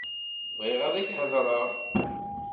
Bɣiɣ ad ak-heḍṛeɣ.